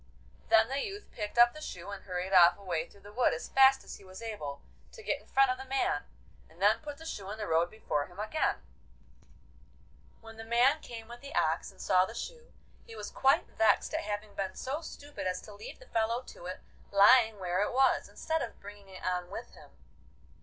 Then the youth picked up the shoe and hurried off away through the wood as fast as he was able, to get in front of the man, and then put the shoe in the road before him again. When the man came with the ox and saw the shoe, he was quite vexed at having been so stupid as to leave the fellow to it lying where it was, instead of bringing it on with him.